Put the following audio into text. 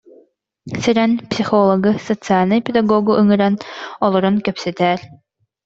«Сэрэн, психологы, социальнай педагогу ыҥыран олорон кэпсэтээр»